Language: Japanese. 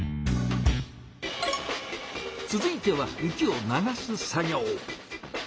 続いては雪を「流す」作業。